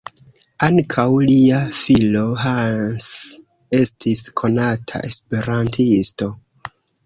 Ankaŭ lia filo Hans estis konata esperantisto.